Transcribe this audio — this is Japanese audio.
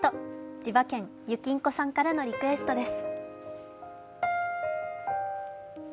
千葉県、ゆきんこさんからのリクエストです。